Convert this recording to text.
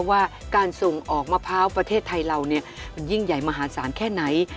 ว่าการส่งออกมะพร้าวประเทศไทยเรายิ่งใหญ่มหาศาลแค่ไหน